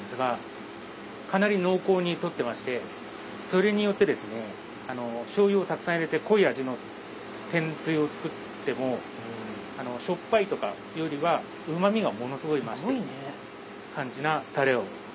それによってですねしょうゆをたくさん入れて濃い味の天つゆを作ってもしょっぱいとかっていうよりはうま味がものすごい増してる感じなたれを作ってますね。